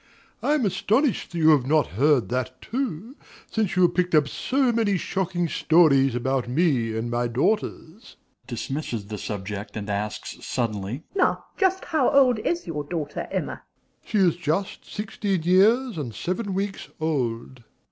I am astonished that you have not heard that too, since you have picked up so many shocking stories about me and my daughters. MRS. S. (dismisses the subject, and asks suddenly). Now just how old is your daughter Emma? DOMINIE. She is just sixteen years and seven weeks old.